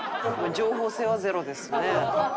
情報性はゼロですね。